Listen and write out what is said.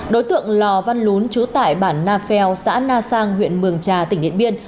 đối tượng lò văn lún trú tại bản na phèo xã na sang huyện mường trà tỉnh điện biên